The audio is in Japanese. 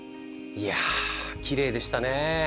いやきれいでしたね。